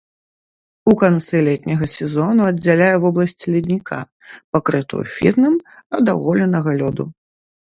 У канцы летняга сезону аддзяляе вобласць ледніка, пакрытую фірнам, ад аголенага лёду.